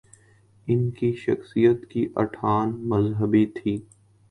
ان کی شخصیت کی اٹھان مذہبی تھی۔